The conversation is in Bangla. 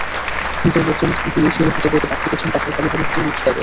নিজের লোকজন দিয়ে সেই হাটে যেতে বাধ্য করছেন পাশের কালীবাড়ী হাটের বিক্রেতাদের।